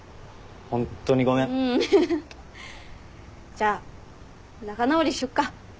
じゃあ仲直りしよっか。